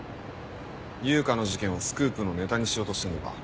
悠香の事件をスクープのネタにしようとしてんのか？